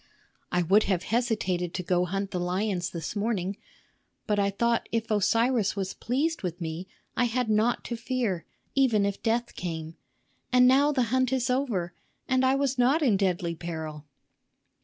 I would have hesitated to go hunt the lions this morning, but I thought if Osiris was pleased with me, I had naught to fear, even if death came. And now the hunt is over; and I was not in deadly peril."